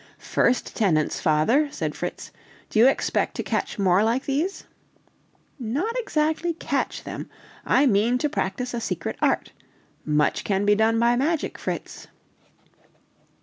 "First tenants, father!" said Fritz; "do you expect to catch more like these?" "Not exactly catch them; I mean to practise a secret art. Much can be done by magic, Fritz!"